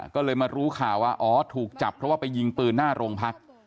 ก็เลยมารู้ข่าวว่าอ๋อถูกจับเพราะว่าไปยิงปืนหน้าโรงพัก